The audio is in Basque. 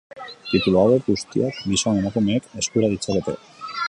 Titulu hauek guztiak gizon-emakumeek eskura ditzakete.